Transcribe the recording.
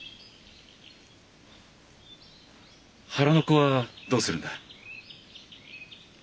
腹の子はどうするんだ？